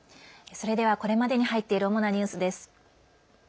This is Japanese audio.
それではこれまでに入っている世界の放送局の主なニュースです。